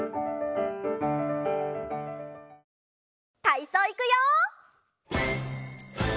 たいそういくよ！